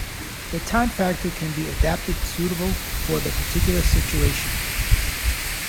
The time factor can be adapted suitable for the particular situation.